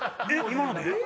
今ので？